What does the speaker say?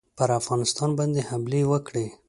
پر افغانستان باندي حمله وکړي.